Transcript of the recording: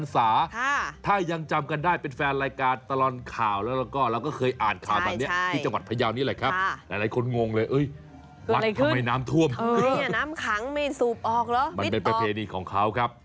วัดทำไมน้ำท่วมน้ำขังไม่สูบออกเหรอมันเป็นประเพณีของเขาครับ